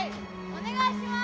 お願いします！